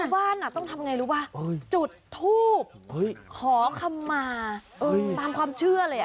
บ้านต้องทำไงรู้ป่ะจุดทูบขอคำมาตามความเชื่อเลย